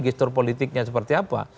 gestur politiknya seperti apa